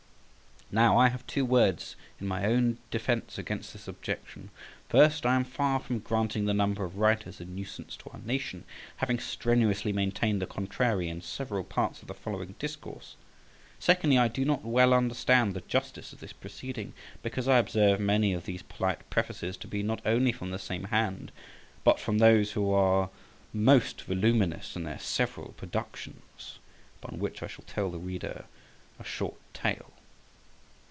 Now, I have two words in my own defence against this objection. First, I am far from granting the number of writers a nuisance to our nation, having strenuously maintained the contrary in several parts of the following discourse; secondly, I do not well understand the justice of this proceeding, because I observe many of these polite prefaces to be not only from the same hand, but from those who are most voluminous in their several productions; upon which I shall tell the reader a short tale.